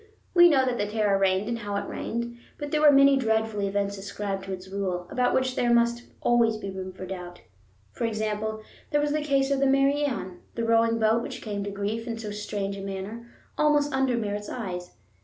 We know that the terror reigned, and how it reigned, but there were many dreadful events ascribed to its rule about which there must always be room for doubt. For example, there was the case of the Mary Ann, the rowing boat which came to grief in so strange a manner, almost under Merritt's eyes.